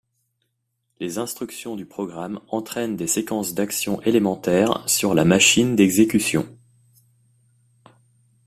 Les instructions du programme entraînent des séquences d'actions élémentaires sur la machine d'exécution.